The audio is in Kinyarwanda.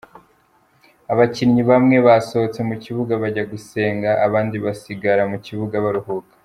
Abakinyi bamwe basohotse mu kibuga bajya gusenga, abandi basigara mu kibuga baruhuka.